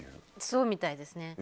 そうみたいですね。